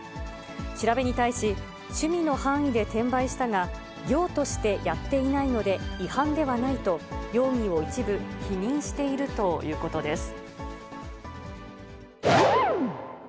調べに対し、趣味の範囲で転売したが、業としてやっていないので違反ではないと、容疑を一部否認しているということです。